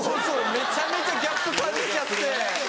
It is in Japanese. めちゃめちゃギャップ感じちゃって。